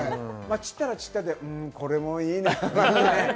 散ったら散ったで、これもいいなとかね。